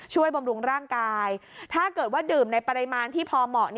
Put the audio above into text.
บำรุงร่างกายถ้าเกิดว่าดื่มในปริมาณที่พอเหมาะ